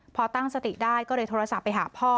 พอตั้งสติได้ก็เลยโทรศัพท์ไปหาพ่อ